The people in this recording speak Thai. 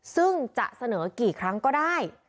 ซึ่งจะเสนอกี่ครั้งก็ได้